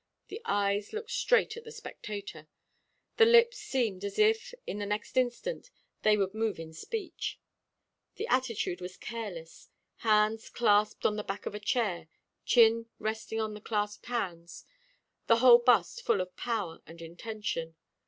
The eyes looked straight at the spectator; the lips seemed as if, in the next instant, they would move in speech. The attitude was careless, hands clasped on the back of a chair, chin resting on the clasped hands, the whole bust full of power and intention.